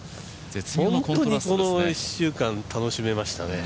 もう本当にこの１週間、楽しめましたね。